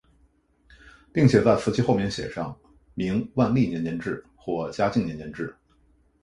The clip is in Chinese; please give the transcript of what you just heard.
并且在瓷器后面写上明万历年间制或嘉靖年间制。